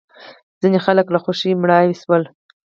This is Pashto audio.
ځینې خلک له خوښۍ مړاوې شول.